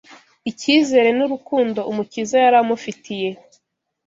icyizere n’urukundo Umukiza yari amufitiye